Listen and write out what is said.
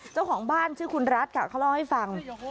เจ้าของบ้านชื่อคุณรัฐค่ะเขาเล่าให้ฟัง